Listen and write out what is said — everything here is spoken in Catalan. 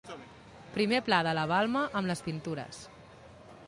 Primer pla de la balma amb les pintures.